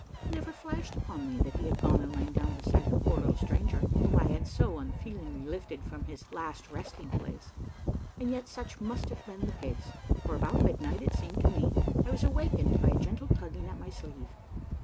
It never flashed upon me that he had gone and lain down beside the poor little stranger, whom I had so unfeelingly lifted from his last resting place, and yet such must have been the case, for about midnight, it seemed to me, I was awakened by a gentle tugging at my sleeve.